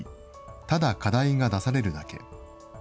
ただ課題が出されるだけ。